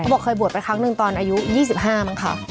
บอกเคยบวชไปครั้งหนึ่งตอนอายุ๒๕มั้งค่ะ